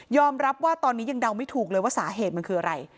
รับว่าตอนนี้ยังเดาไม่ถูกเลยว่าสาเหตุมันคืออะไร